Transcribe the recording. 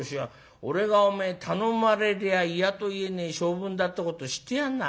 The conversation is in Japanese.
俺がお前頼まれりゃあ嫌と言えねえ性分だってこと知ってやんな。